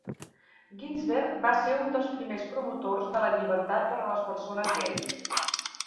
Ginsberg va ser un dels primers promotors de la llibertat per a les persones gai.